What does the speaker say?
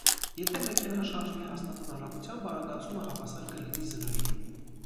Եթե մեքենան շարժվի հաստատուն արագությամբ, արագացումը հավասար կլինի զրոյի։